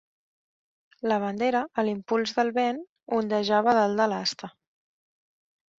La bandera, a l'impuls del vent, ondejava dalt de l'asta.